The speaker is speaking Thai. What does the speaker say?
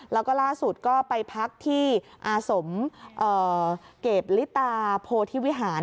แล้วก็ล่าสุดก็ไปพักที่อาสมเกตลิตาโพธิวิหาร